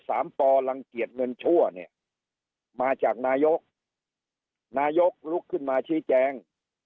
ปอลังเกียจเงินชั่วเนี่ยมาจากนายกนายกลุกขึ้นมาชี้แจง